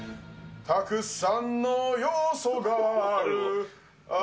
たくさんの要素がある。